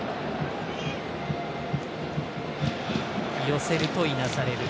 寄せるといなされる。